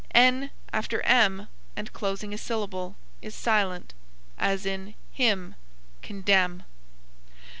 N after m, and closing a syllable, is silent; as in hymn, condemn.